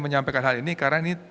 menyampaikan hal ini karena ini